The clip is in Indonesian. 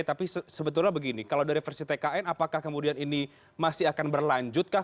tapi sebetulnya begini kalau dari versi tkn apakah kemudian ini masih akan berlanjut kah